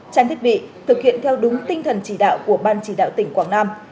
trang thiết bị thực hiện theo đúng tinh thần chỉ đạo của ban chỉ đạo tỉnh quảng nam